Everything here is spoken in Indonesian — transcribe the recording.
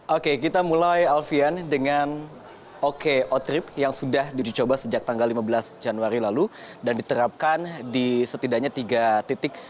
oke kita mulai alfian dengan oko trip yang sudah dicoba sejak tanggal lima belas januari lalu dan diterapkan di setidaknya tiga titik